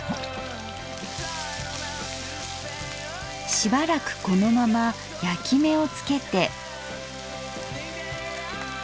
しばらくこのまま焼き目をつけて。